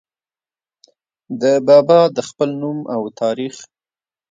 د بابا د خپل نوم او تاريخ